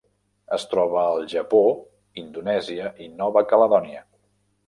Es troba al Japó, Indonèsia i Nova Caledònia.